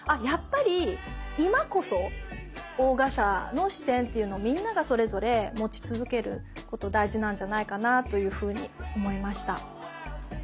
やっぱり今こそ横臥者の視点っていうのをみんながそれぞれ持ち続けること大事なんじゃないかなというふうに思いました。